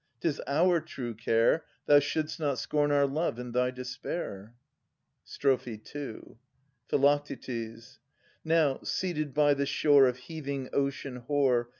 'Tis our true care Thou should! st not scorn our love in thy despair. Strophe II. Phi. Now, seated by the shore Of heaving ocean hoar.